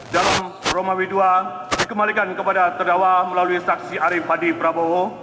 dalam rumah kedua dikembalikan kepada terdakwa melalui saksi arif hadi prabowo